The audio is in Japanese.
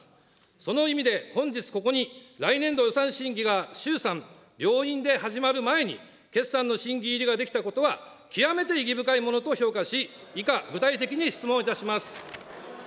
その意味で、本日ここに、来年度予算審議が衆参両院で始まる前に、決算の審議入りができたことは極めて意義深いものと評価し、以下、具体的に質問いたします。